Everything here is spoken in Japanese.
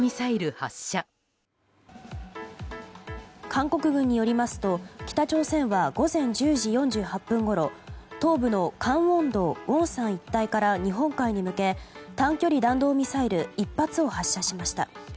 韓国軍によりますと北朝鮮は午前１０時４８分ごろ東部のカンウォン道ウォンサン一帯から日本海に向け弾道ミサイル１発を発射しました。